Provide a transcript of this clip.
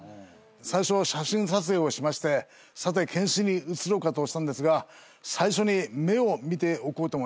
最初は写真撮影をしましてさて検視に移ろうかとしたんですが最初に目を見ておこうと思いました。